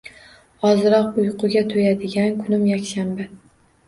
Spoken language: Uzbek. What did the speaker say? Ozroq uyquga to`yadigan kunim yakshanba